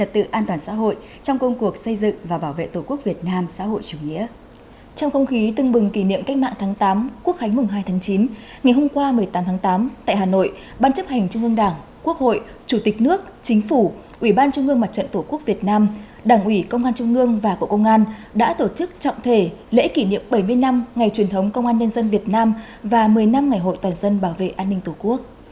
trong không khí tưng bừng kỷ niệm cách mạng tháng tám quốc khánh mừng hai tháng chín ngày hôm qua một mươi tám tháng tám tại hà nội ban chấp hành trung ương đảng quốc hội chủ tịch nước chính phủ ủy ban trung ương mặt trận tổ quốc việt nam đảng ủy công an trung ương và bộ công an đã tổ chức trọng thể lễ kỷ niệm bảy mươi năm ngày truyền thống công an nhân dân việt nam và một mươi năm ngày hội toàn dân bảo vệ an ninh tổ quốc